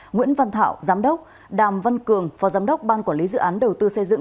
nguyễn văn thảo giám đốc đàm văn cường phó giám đốc ban quản lý dự án đầu tư xây dựng